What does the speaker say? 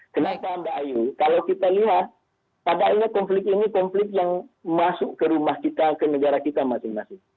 kenapa mbak ayu kalau kita lihat pada akhirnya konflik ini konflik yang masuk ke rumah kita ke negara kita masing masing